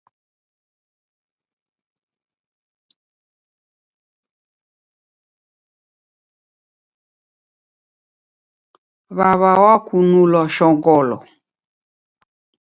Wawa wakunulwa shongolo